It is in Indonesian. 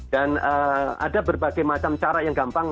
dan ada berbagai macam cara yang gampang